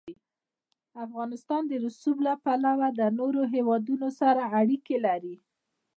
افغانستان د رسوب له پلوه له نورو هېوادونو سره اړیکې لري.